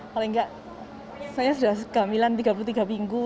paling nggak saya sudah kehamilan tiga puluh tiga minggu